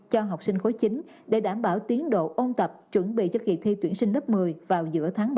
cho học sinh khối chín để đảm bảo tiến độ ôn tập chuẩn bị cho kỳ thi tuyển sinh lớp một mươi vào giữa tháng bảy